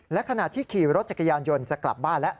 และขณะที่ขี่รถจักรยานยนต์จะกลับบ้านแล้ว